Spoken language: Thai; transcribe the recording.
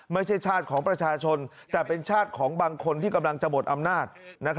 ไม่ใช่ชาติของประชาชนแต่เป็นชาติของบางคนที่กำลังจะหมดอำนาจ